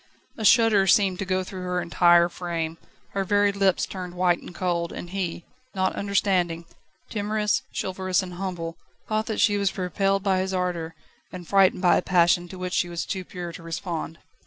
A shudder seemed to go through her entire frame, her very lips turned white and cold, and he, not understanding, timorous, chivalrous and humble, thought that she was repelled by his ardour and frightened by a passion to which she was too pure to respond.